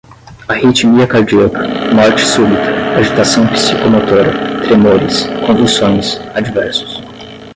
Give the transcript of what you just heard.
arritmia cardíaca, morte súbita, agitação psicomotora, tremores, convulsões, adversos